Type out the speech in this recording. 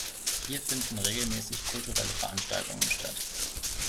Hier finden regelmäßig kulturelle Veranstaltungen statt.